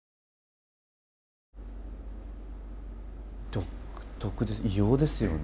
独特異様ですよね